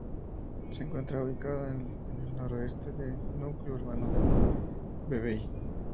Se encuentra ubicada en el noroeste del núcleo urbano de Vevey.